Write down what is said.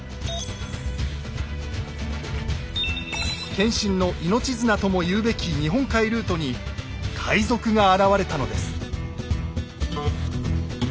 謙信の命綱とも言うべき日本海ルートに海賊が現れたのです。